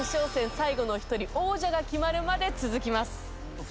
最後の１人王者が決まるまで続きます。